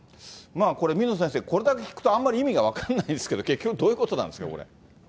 これ、水野先生、これだけ聞くと、あんまり意味が分からないんですけど、結局どういうことなんですか、これ。